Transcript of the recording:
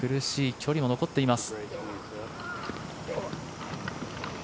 距離も残っています。